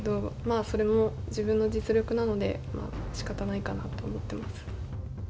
あそれも自分の実力なのでしかたないかなと思ってます。